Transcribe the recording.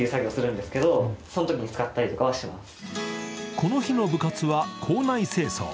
この日の部活は校内清掃。